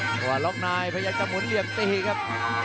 ว่าล็อกนายพยายามจะหมุนเหลี่ยมตีครับ